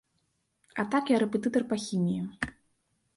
А так я рэпетытар па хіміі.